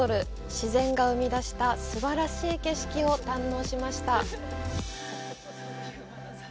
自然が生み出したすばらしい景色を堪能しました。